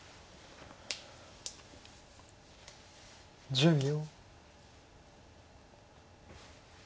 １０秒。